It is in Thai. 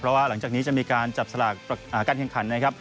เพราะว่าหลังจากนี้จะมีการจับสลากการแข่งขันนะครับ